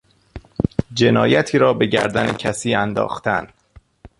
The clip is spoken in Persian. جنایتی را به گردن کسی انداختن